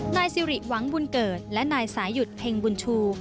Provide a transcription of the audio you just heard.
นายสิริหวังบุญเกิดและนายสายุดเพ็งบุญชู